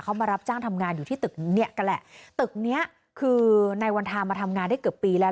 เขามารับจ้างทำงานอยู่ที่ตึกเนี่ยกันแหละตึกเนี้ยคือในวันทามาทำงานได้เกือบปีแล้ว